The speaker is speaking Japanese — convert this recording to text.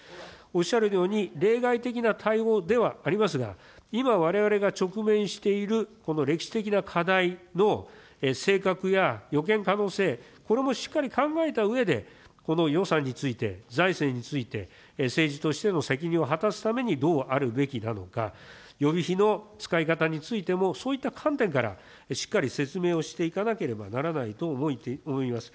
おっしゃるように、例外的な対応ではありますが、今、われわれが直面しているこの歴史的な課題の性格や予見可能性、これもしっかり考えたうえで、この予算について、財政について、政治としての責任を果たすためにどうあるべきなのか、予備費の使い方についても、そういった観点からしっかり説明をしていかなければならないと思います。